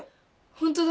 ホントだ。